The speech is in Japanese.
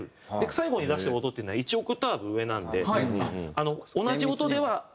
最後に出した音っていうのは１オクターブ上なんで同じ音ではあると。